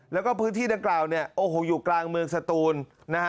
แล้วก็พื้นที่ดังกล่าวเนี่ยโอ้โหอยู่กลางเมืองสตูนนะฮะ